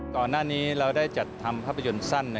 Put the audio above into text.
ก่อนหน้านี้เราได้จัดทำภาพยนตร์สั้น